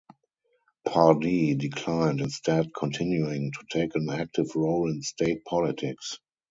Pardee declined, instead continuing to take an active role in state politics.